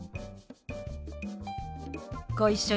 ご一緒に。